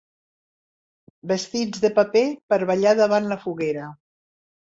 Vestits de paper per ballar davant la foguera.